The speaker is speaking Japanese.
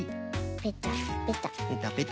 ペタペタ。